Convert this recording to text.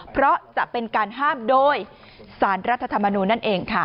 เพราะจะเป็นการห้ามโดยสารรัฐธรรมนูลนั่นเองค่ะ